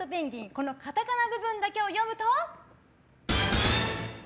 このカタカナ部分だけを読むと？